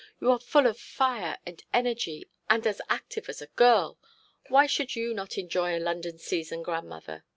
You are full of fire and energy, and as active as a girl. Why should you not enjoy a London season, grandmother?'